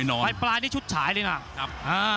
ไปปลายนี้ชุดฉายเลยนะครับ